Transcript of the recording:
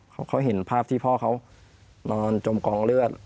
เขาเห็นภาพที่พ่อเขานอนจมกองเลือด